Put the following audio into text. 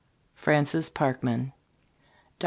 FRANCIS PARKMAN. DR.